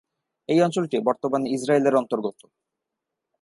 এই অঞ্চলটি বর্তমানে ইসরাইলের অন্তর্গত।